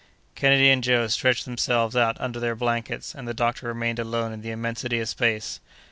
Kennedy and Joe stretched themselves out under their blankets, and the doctor remained alone in the immensity of space.